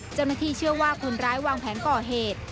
เจ้าหน้าที่เชื่อว่าคนร้ายวางแผนก่อเหตุ